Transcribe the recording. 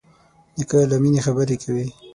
نیکه له مینې خبرې کوي.